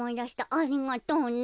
ありがとうね。